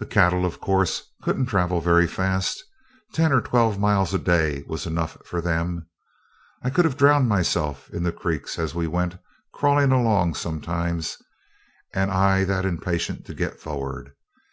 The cattle, of course, couldn't travel very fast; ten or twelve miles a day was enough for them. I could have drowned myself in the creeks as we went crawling along sometimes, and I that impatient to get forward.